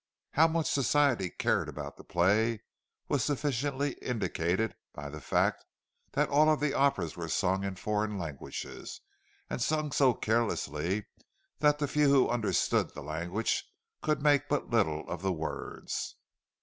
How much Society cared about the play was sufficiently indicated by the fact that all of the operas were sung in foreign languages, and sung so carelessly that the few who understood the languages could make but little of the words.